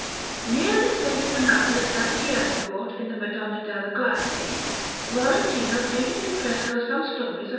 Near the S. Donatus that Piero wrought in the Madonna delle Grazie, Lorentino painted in fresco some stories of S.